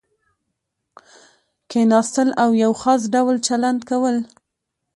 کېناستل او یو خاص ډول چلند کول.